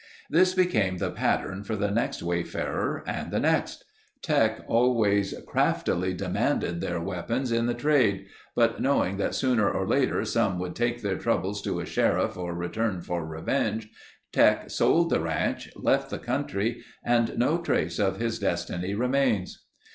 This became the pattern for the next wayfarer and the next. Teck always craftily demanded their weapons in the trade, but knowing that sooner or later some would take their troubles to a sheriff or return for revenge, Teck sold the ranch, left the country and no trace of his destiny remains.